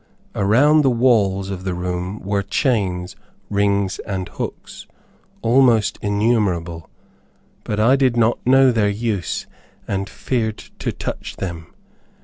Around the walls of the room were chains, rings and hooks, almost innumerable; but I did not know their use, and feared to touch them.